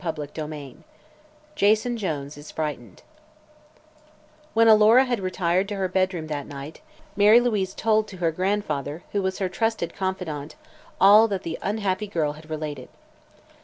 CHAPTER XI JASON JONES IS FRIGHTENED When Alora had retired to her bedroom that night Mary Louise told to her grandfather, who was her trusted confidant, all that the unhappy girl had related.